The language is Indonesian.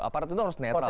aparat itu harus netral